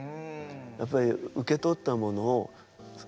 やっぱり受け取ったものを次へおくる。